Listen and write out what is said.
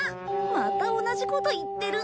また同じこと言ってる。